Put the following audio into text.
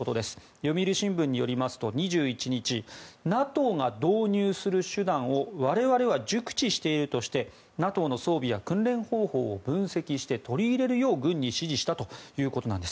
読売新聞によりますと、２１日ＮＡＴＯが導入する手段を我々は熟知しているとしてＮＡＴＯの装備や訓練方法を分析して取り入れるよう軍に指示したということなんです。